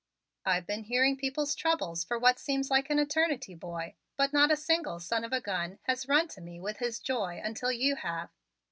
"I've been hearing people's troubles for what seems like an eternity, boy, but not a single son of a gun has run to me with his joy until you have.